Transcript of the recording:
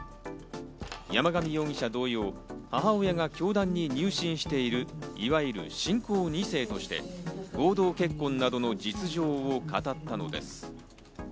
山上容疑者同様、母親が教団に入信している、いわゆる信仰二世として合同結婚などの実情を語ったのです。